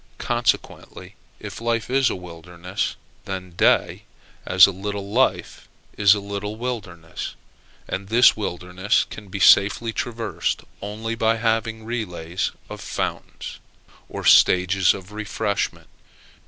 Consequently, if life is a wilderness, then day, as a little life, is a little wilderness. And this wilderness can be safely traversed only by having relays of fountains, or stages for refreshment.